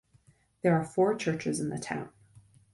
There are four churches in the town.